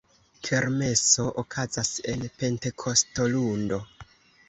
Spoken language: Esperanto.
Kermeso okazas en Pentekostolundo.